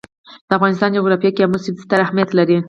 د افغانستان جغرافیه کې آمو سیند ستر اهمیت لري.